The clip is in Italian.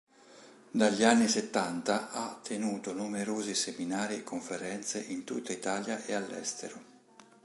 Dagli anni settanta, ha tenuto numerosi seminari e conferenze in tutta Italia e all'estero.